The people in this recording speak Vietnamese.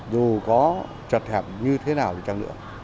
dù có chật hẹp như thế nào thì chẳng nữa